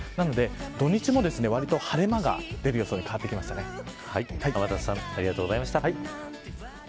土日も割と晴れ間が出る予想に天達さんありがとうございました。